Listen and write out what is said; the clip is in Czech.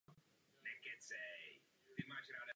Tím dostává hra zcela nový rozměr.